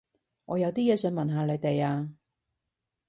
我有啲嘢想問下你哋啊